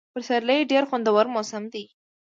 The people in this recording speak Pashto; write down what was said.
پسرلی ډېر خوندور موسم دی.